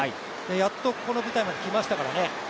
やっとここの舞台まで来ましたからね。